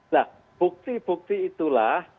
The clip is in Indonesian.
nah bukti bukti itulah